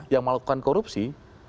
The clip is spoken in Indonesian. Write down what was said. yang melakukan korupsi